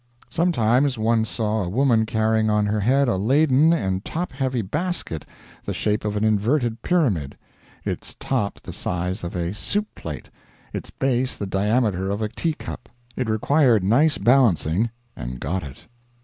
Sometimes one saw a woman carrying on her head a laden and top heavy basket the shape of an inverted pyramid its top the size of a soup plate, its base the diameter of a teacup. It required nice balancing and got it.